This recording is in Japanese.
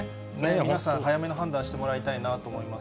皆さん、早めの判断してもらいたいなと思います。